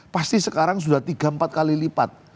pasti sekarang sudah tiga empat kali lipat